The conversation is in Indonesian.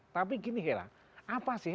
tapi gini ya lah apa sih